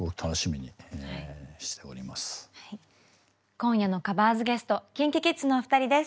今夜のＣｏｖｅｒｓＧｕｅｓｔＫｉｎＫｉＫｉｄｓのお二人です。